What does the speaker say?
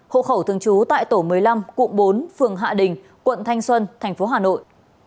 hộ khẩu thường trú tại tổ một mươi năm cụm bốn phường hạ đình quận thanh xuân thành phố hà nội